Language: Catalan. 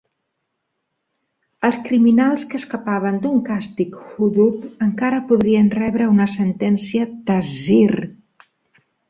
Els criminals que escapaven d'un càstig "hudud" encara podrien rebre una sentència "ta'zir".